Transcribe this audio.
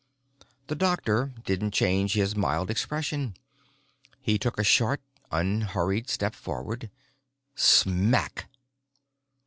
The doctor didn't change his mild expression. He took a short, unhurried step forward. _Smack.